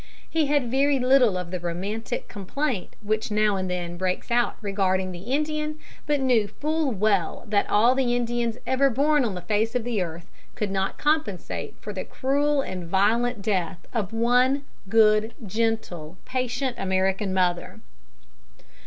He had very little of the romantic complaint which now and then breaks out regarding the Indian, but knew full well that all the Indians ever born on the face of the earth could not compensate for the cruel and violent death of one good, gentle, patient American mother.